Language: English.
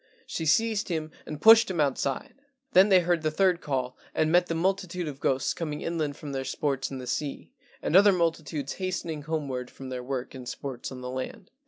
She seized him and pushed him outside. Then they heard the third call, and met the multitude of ghosts coming inland from their sports in the sea, and other multitudes hastening homeward from their work and sports on the land.